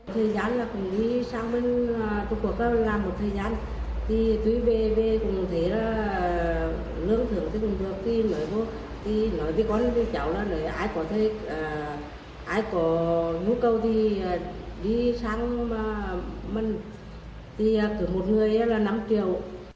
lương thường thì không được thì nói với con cháu là ai có nhu cầu thì đi sang một người là năm triệu